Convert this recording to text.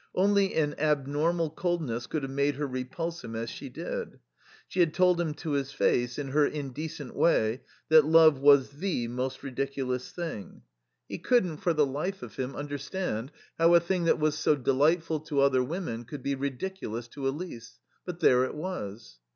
Only an abnormal coldness could have made her repulse him as she did. She had told him to his face, in her indecent way, that love was the most ridiculous thing. He couldn't, for the life of him, understand how a thing that was so delightful to other women could he ridiculous to Elise; but there it was.